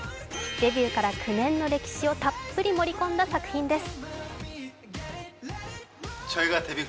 デビューから９年の歴史をたっぷり盛り込んだ作品です。